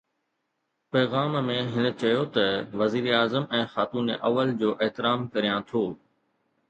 پيغام ۾ هن چيو ته وزيراعظم ۽ خاتون اول جو احترام ڪريان ٿو